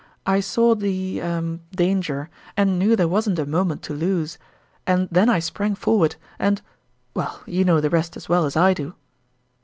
I saw the er danger, and knew there wasn't a moment to lose ; and then I sprang forward, and well, you know the rest as well as I do